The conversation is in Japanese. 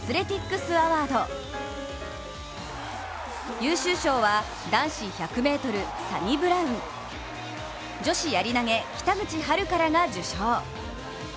優秀賞は男子１００ｍ、サニブラウン、女子やり投げ、北口榛花らが受賞。